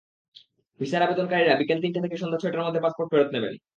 ভিসার আবেদনকারীরা বিকেল তিনটা থেকে সন্ধ্যা ছয়টার মধ্যে পাসপোর্ট ফেরত নেবেন।